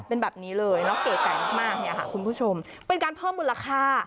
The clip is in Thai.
เป็นแบบนี้เลยแก่นึกมากเนี่ยคุณผู้ชมเป็นการเพิ่มบูรคา